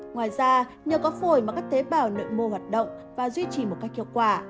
ngoài ra nhờ có phổi mà các tế bào nội mô hoạt động và duy trì một cách hiệu quả